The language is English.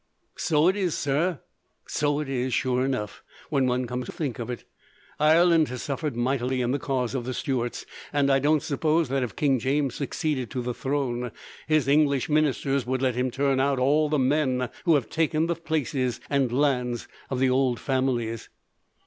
"So it is, sir. So it is, sure enough, when one comes to think of it. Ireland has suffered mightily in the cause of the Stuarts, and I don't suppose that, if King James succeeded to the throne, his English ministers would let him turn out all the men who have taken the places and lands of the old families."